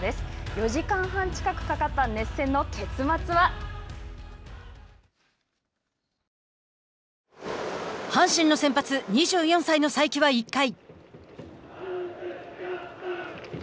４時間半近くかかった阪神の先発２４歳の才木は１回。